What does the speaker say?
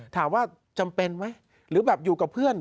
ถามว่าจำเป็นไหมหรือแบบอยู่กับเพื่อน